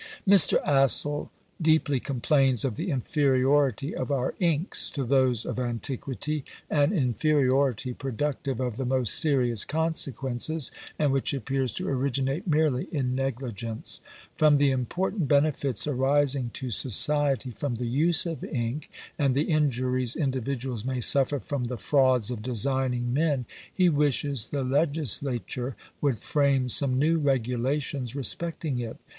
Mr. Astle deeply complains of the inferiority of our inks to those of antiquity; an inferiority productive of the most serious consequences, and which appears to originate merely in negligence. From the important benefits arising to society from the use of ink, and the injuries individuals may suffer from the frauds of designing men, he wishes the legislature would frame some new regulations respecting it.